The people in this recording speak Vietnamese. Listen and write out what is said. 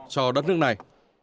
cho đất nước này